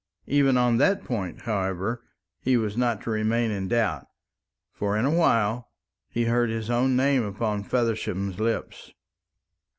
Even on that point, however, he was not to remain in doubt; for in a while he heard his own name upon Feversham's lips.